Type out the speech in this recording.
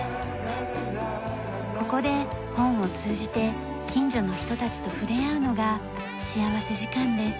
ここで本を通じて近所の人たちと触れ合うのが幸福時間です。